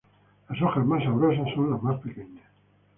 Las hojas más sabrosas son las más pequeñas.